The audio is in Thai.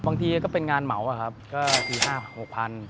บางทีก็เป็นงานเหมาอะครับก็คือ๕๖๐๐บาท